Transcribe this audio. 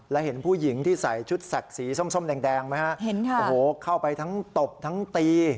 และเห็นผู้หญิงที่ใส่ชุดแสกสีส้มแดงไหมฮะเห็นค่ะโอ้โหเข้าไปทั้งตบทั้งตี